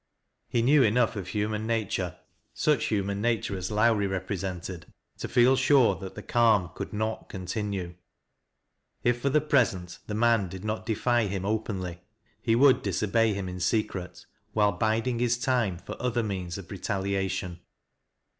He knew enough of human nature such human nature as Lowrie represented — to feel sure that the calm could not continue. If for the present the man did not defy him openly, he would disobey him in secret, while biding his time for other means of retalia tion.